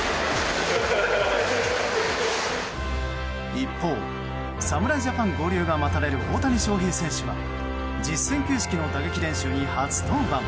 一方、侍ジャパン合流が待たれる大谷翔平選手は実戦形式の打撃練習に初登板。